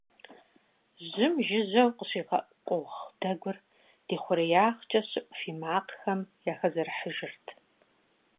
Жьым жыжьэу къыщигъэӀу къугъ дэгур ди хъуреягъкӀэ щыӀу фий макъхэм яхэзэрыхьыжырт.